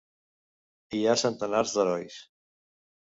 Hi ha centenars d'herois.